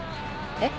えっ？